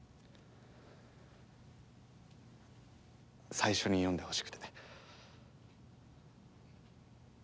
最初に読んでほしくて。